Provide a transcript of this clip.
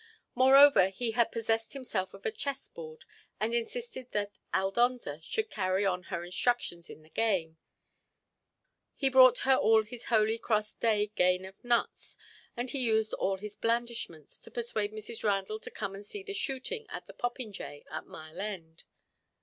Moreover, he had possessed himself of a chess board, and insisted that Aldonza should carry on her instructions in the game; he brought her all his Holy Cross Day gain of nuts, and he used all his blandishments to persuade Mrs. Randall to come and see the shooting at the popinjay, at Mile End.